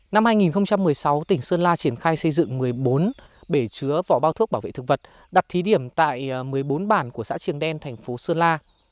năm hai nghìn một mươi sáu tỉnh sơn la triển khai xây dựng một mươi bốn bể chứa vỏ bao thuốc bảo vệ thực vật đặt thí điểm tại một mươi bốn bản của xã trường đen thành phố sơn la